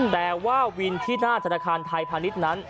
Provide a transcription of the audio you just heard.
แต่ว่าวินที่หน้าธนาคารไทยพาณิชย์นั้น